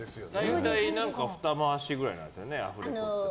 大体ふた回しくらいなんですよね、アフレコって。